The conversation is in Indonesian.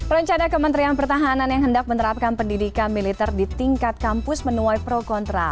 rencana kementerian pertahanan yang hendak menerapkan pendidikan militer di tingkat kampus menuai pro kontra